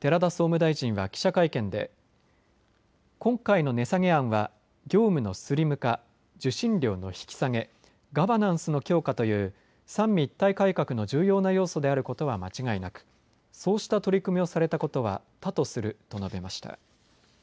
寺田総務大臣は記者会見で今回の値下げ案は業務のスリム化、受信料の引き下げ、ガバナンスの強化という三位一体改革の重要な要素であることは間違いなくそうした取り組みをされたことは多とすると述べました。